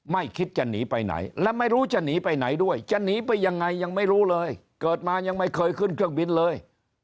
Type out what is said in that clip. ไม่คิดจะหนีไปไหนและไม่รู้จะหนีไปไหนด้วยจะหนีไปยังไงยังไม่รู้เลยเกิดมายังไม่เคยขึ้นเครื่องบินเลย